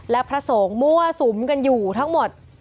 และพระสงฆ์มั่วสุมกันอยู่ทั้งหมด